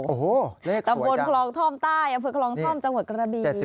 โอ้โหตำบลคลองท่อมใต้อำเภอคลองท่อมจังหวัดกระบี